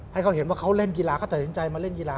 ให้เขาเห็นว่าเขาเล่นกีฬาเขาตัดสินใจมาเล่นกีฬา